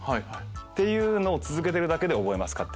っていうのを続けてるだけで覚えます勝手に。